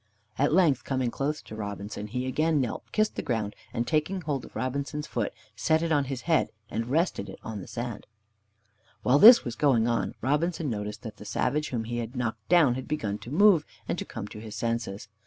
At length, coming close to Robinson, he again knelt, kissed the ground, and taking hold of Robinson's foot, set it on his head as it rested on the sand. While this was going on, Robinson noticed that the savage whom he had knocked down had begun to move, and to come to his senses.